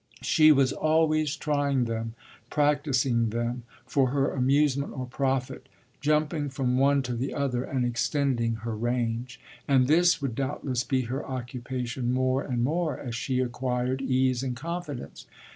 She was always trying them, practising them, for her amusement or profit, jumping from one to the other and extending her range; and this would doubtless be her occupation more and more as she acquired ease and confidence.